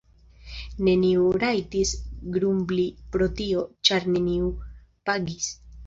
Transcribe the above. Neniu rajtis grumbli pro tio, ĉar neniu pagis.